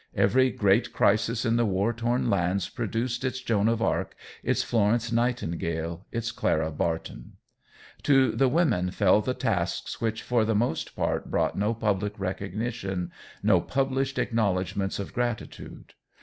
Every great crisis in the war torn lands produced its Joan of Arc, its Florence Nightingale, its Clara Barton. To the women fell the tasks which for the most part brought no public recognition, no published acknowledgments of gratitude.